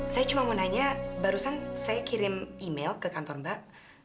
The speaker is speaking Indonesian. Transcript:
saya cuma mau nanya barusan saya kirim email ke kantor mbak